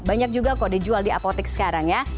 banyak juga kok dijual di apotek sekarang ya